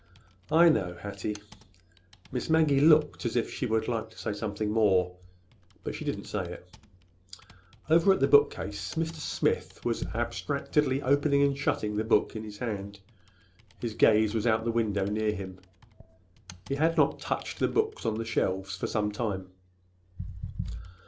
"I know, Hattie." Miss Maggie looked as if she would like to say something more—but she did not say it. Over at the bookcase Mr. Smith was abstractedly opening and shutting the book in his hand. His gaze was out the window near him. He had not touched the books on the shelves for some time.